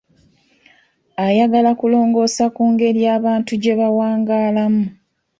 Ayagala kulongoosa ku ngeri abantu gye bawangaalamu.